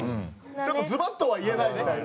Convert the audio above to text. ちょっとズバッとは言えないみたいな。